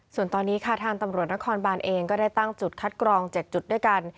ส่วนตอนนี้ค่ะทางตำรวจนครบานเองก็ได้ตั้งจุดคัดกรอง๗จุดด้วยกัน